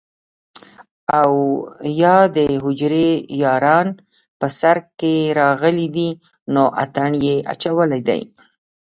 او يا دحجرې ياران په سر کښې راغلي دي نو اتڼ يې اچولے دے